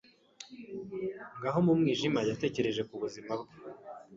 Ngaho mu mwijima, yatekereje ku buzima bwe.